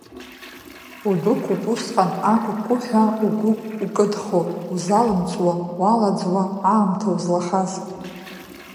Удәықәуп усҟан акәкәыҳәа угәы укыдхо, узалымҵуа, уалаӡуа аамҭа узлахаз.